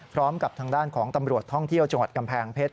พร้อมกับทางด้านของตำรวจท่องเที่ยวจังหวัดกำแพงเพชร